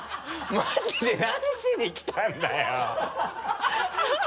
マジで何しに来たんだよ